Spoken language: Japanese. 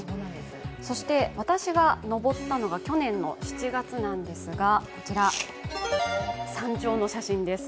そして私が登ったのが去年７月なんですがこちら、山頂の写真です。